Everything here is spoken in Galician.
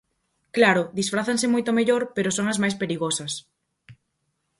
Claro, disfrázanse moito mellor, pero son as máis perigosas.